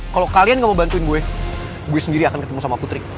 kalau kalian gak mau bantuin gue gue sendiri akan ketemu sama putri